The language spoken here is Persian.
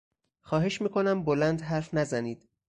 خواهش میکنم بلند حرف نزنید!